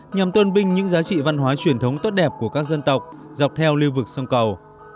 nhằm tôn vinh những giá trị văn hóa truyền thống tốt đẹp của các dân tộc dọc theo lưu vực sông cầu